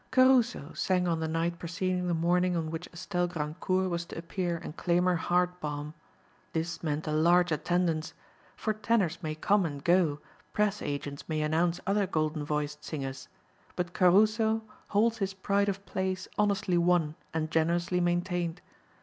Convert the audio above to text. Caruso sang on the night preceding the morning on which Estelle Grandcourt was to appear and claim her heart balm. This meant a large attendance; for tenors may come and go, press agents may announce other golden voiced singers, but Caruso holds his pride of place honestly won and generously maintained.